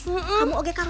kamu mau karun kan